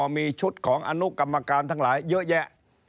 มีชุดของอนุกรรมการทั้งหลายเยอะแยะ